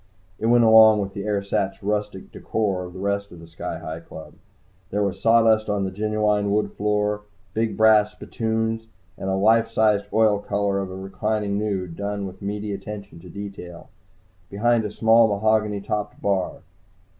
It went along with the ersatz rustic decor of the rest of the Sky Hi Club. There was sawdust on the genuine wood floor, big brass spittoons and a life sized oil color of a reclining nude, done with meaty attention to detail, behind a small mahogany topped bar.